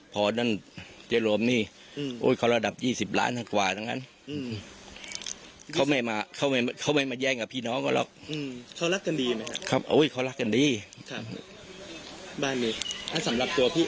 ผมว่า